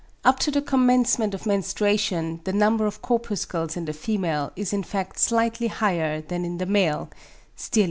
Up to the commencement of menstruation the number of corpuscles in the female is in fact slightly higher than in the male (Stierlin).